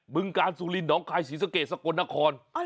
บึงกานสุรินหนองคายสีสะเกสกนนคร